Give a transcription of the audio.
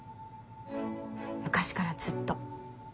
昔からずっと。